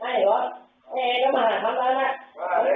อย่าทำของบ้านใจต้องกลัวต้องกลัวต้องกลัว